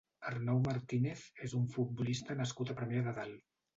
Arnau Martínez és un futbolista nascut a Premià de Dalt.